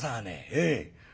ええ。